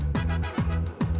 ya ini salah aku